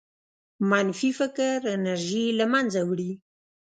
منفي فکر انرژي له منځه وړي.